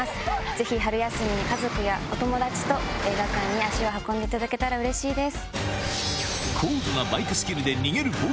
ぜひ春休みに家族やお友達と映画館に足を運んでいただけたらうれしいです。